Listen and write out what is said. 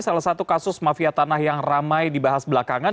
salah satu kasus mafia tanah yang ramai dibahas belakangan